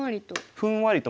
ふんわりと。